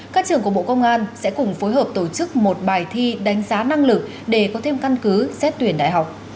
các trường của bộ công an sẽ cùng phối hợp tổ chức một bài thi đánh giá năng lực để có thêm căn cứ xét tuyển đại học